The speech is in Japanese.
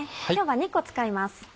今日は２個使います。